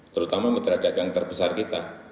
terutama mitra dagang terbesar kita